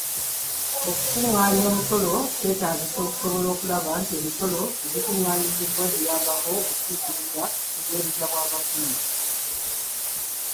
Okukungaanya omusolo kyetaagisa okusobola okulaba nti emisolo egikungaanyizibwa giyambako okutuukiriza obuweereza bwa gavumenti.